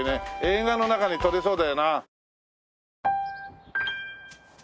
映画の中で撮りそうだよな。